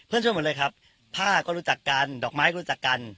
ช่วยหมดเลยครับผ้าก็รู้จักกันดอกไม้ก็รู้จักกัน